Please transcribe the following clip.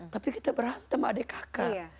tapi kita berantem adik kakak